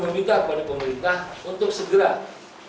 kami meminta pemerintah untuk mengubah pengupahan di jawa timur ini